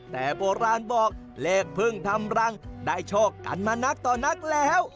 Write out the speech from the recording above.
แต่โบราณบอกเลขเพิ่งทำรังได้โชคกันมานักต่อนักแล้ว